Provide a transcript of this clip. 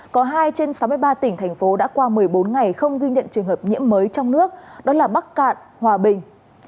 có hai trên sáu mươi ba tỉnh thành phố đã qua một mươi bốn ngày không ghi nhận trường hợp nhiễm mới trong nước đó là bắc cạn hòa bình